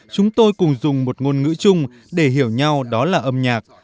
chúng tôi cùng dùng một ngôn ngữ chung để hiểu nhau đó là âm nhạc